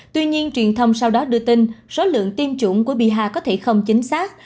tuy nhiên truyền thông sau đó đưa tin số lượng tiêm chủng của biaha có thể không chính xác